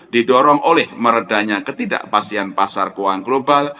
didorong oleh meredanya ketidakpastian pasar keuangan global